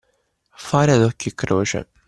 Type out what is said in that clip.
Fare ad occhio e croce.